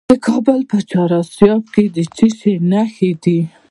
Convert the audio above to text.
د کابل په چهار اسیاب کې د څه شي نښې دي؟